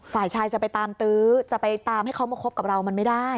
ฝ่ายชายจะไปตามตื้อจะไปตามให้เขามาคบกับเรามันไม่ได้